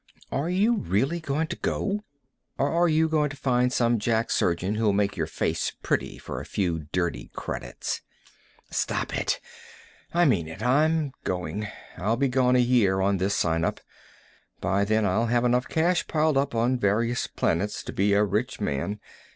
"Are you really going to go? Or are you going to find some jack surgeon who'll make your face pretty for a few dirty credits?" "Stop it. I mean it. I'm going. I'll be gone a year on this signup. By then I'll have enough cash piled up on various planets to be a rich man.